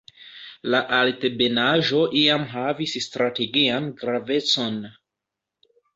La altebenaĵo iam havis strategian gravecon.